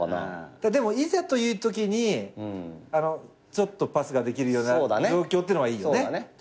でもいざというときにちょっとパスができるような状況っていうのはいいよね。